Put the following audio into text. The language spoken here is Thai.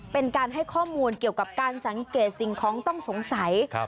เป็นการให้ข้อมูลเกี่ยวกับการสังเกตสิ่งของต้องสงสัย